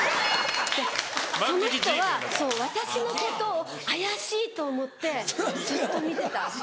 その人は私のことを怪しいと思ってずっと見てた。